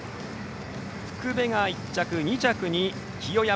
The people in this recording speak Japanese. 福部が１着２着に清山。